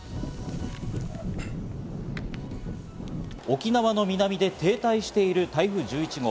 沖縄の南で停滞している台風１１号。